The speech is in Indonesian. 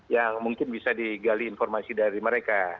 yang mungkin bisa digali informasi dari mereka